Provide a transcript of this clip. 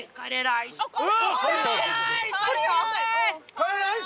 カレーライス？